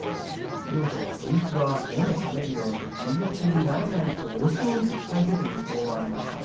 逸ノ城は初日は目の覚めるような右四つになれないと押しに変えてという相撲もありました。